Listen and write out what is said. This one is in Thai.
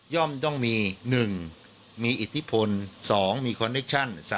่อมต้องมี๑มีอิทธิพล๒มีคอนเนคชั่น